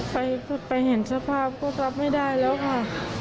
ไปเห็นสภาพก็รับไม่ได้แล้วค่ะ